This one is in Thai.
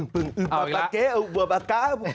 พึ่งเอาอีกแล้ว